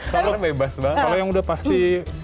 kalau yang udah pasti